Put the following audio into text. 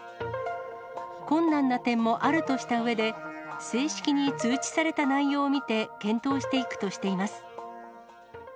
困難な点もあるとしたうえで、正式に通知された内容を見て、検討していくとしています。